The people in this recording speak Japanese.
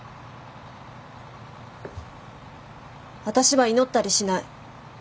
私は祈ったりしない。